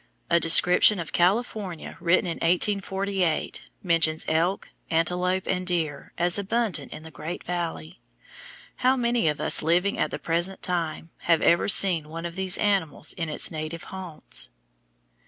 A description of California written in 1848 mentions elk, antelope, and deer as abundant in the Great Valley. How many of us living at the present time have ever seen one of these animals in its native haunts?